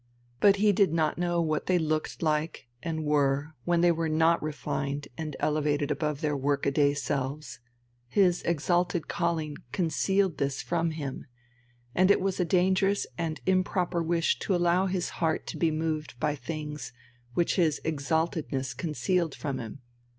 But he did not know what they looked like and were when they were not refined and elevated above their work a day selves his "exalted calling" concealed this from him, and it was a dangerous and improper wish to allow his heart to be moved by things which his exaltedness concealed from him.